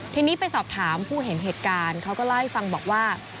ทีนี้ไปสอบถามผู้เห็นเหตุการณ์เขาก็เล่าให้ฟังบอกว่า